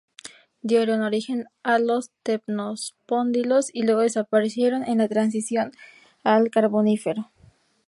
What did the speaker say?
Dieron origen a los temnospóndilos y luego desaparecieron en la transición al Carbonífero.